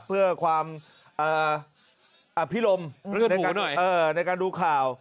เพื่อความอภิลมเลือดหูหน่อยในการดูข่าว